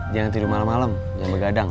jangan tidur malem malem jangan bergadang